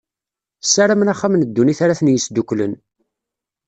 Ssaramen axxam n ddunit ara ten-yesduklen.